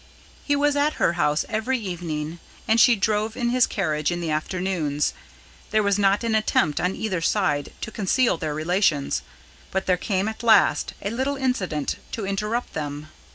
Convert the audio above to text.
He was at her house every evening, and she drove in his carriage in the afternoons. There was not an attempt on either side to conceal their relations; but there came at last a little incident to interrupt them.